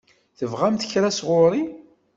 Tebɣamt kra sɣur-i?